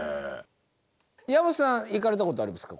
山本さん行かれたことありますか？